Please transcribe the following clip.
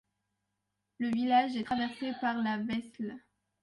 Le village est traversé par la Vesle.